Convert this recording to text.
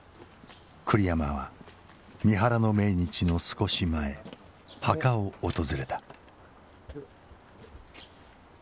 栗山は三原の命日の少し前墓を訪れた。